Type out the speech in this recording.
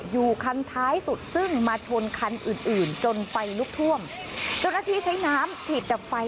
อยู่คันท้ายสุดซึ่งมาชนคันอื่นอื่นจนไฟลุกท่วมเจ้าหน้าที่ใช้น้ำฉีดดับไฟ